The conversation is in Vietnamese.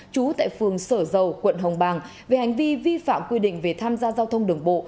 trú tại phường sở dầu quận hồng bàng về hành vi vi phạm quy định về tham gia giao thông đường bộ